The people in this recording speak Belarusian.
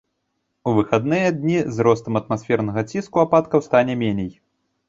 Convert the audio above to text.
У выхадныя дні з ростам атмасфернага ціску ападкаў стане меней.